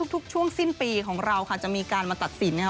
ทุกช่วงสิ้นปีของเราค่ะจะมีการมาตัดสินนะครับ